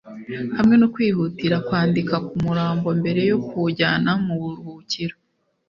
hamwe no kwihutira kwandika ku murambo mbere yo kuwujyana mu buruhukiro